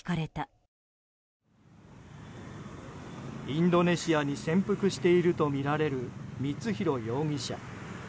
インドネシアに潜伏しているとみられる光弘容疑者。